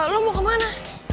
lo mau kemana